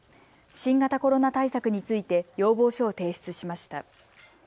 新型コロナ対策について要望書を提出しました。